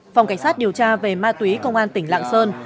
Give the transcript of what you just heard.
phòng cảnh sát điều tra về ma túy công an tỉnh lạng sơn